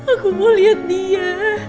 aku mau lihat dia